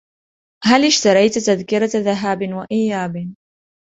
ھل إشتريت تذكرة ذهاب وإياب ؟